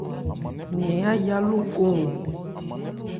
Nɛn áyá lókɔn o.